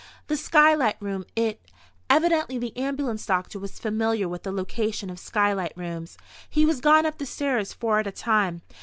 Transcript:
"The skylight room. It—" Evidently the ambulance doctor was familiar with the location of skylight rooms. He was gone up the stairs, four at a time.